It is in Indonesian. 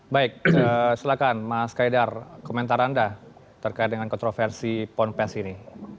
baik silakan mas kaidar komentar anda terkait dengan kontroversi ponpes ini